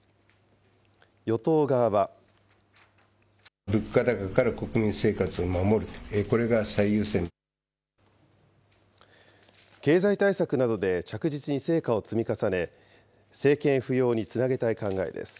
与党側は。経済対策などで着実に成果を積み重ね、政権浮揚につなげたい考えです。